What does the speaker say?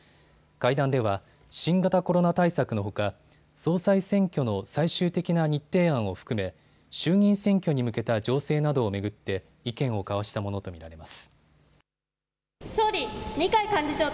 会談では新型コロナ対策のほか総裁選挙の最終的な日程案を含め、衆議院選挙に向けた情勢などを巡って、意見を交わしたものと見られます。